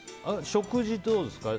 食事はどうですか？